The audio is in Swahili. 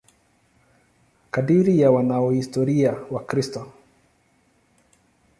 Kadiri ya wanahistoria Wakristo.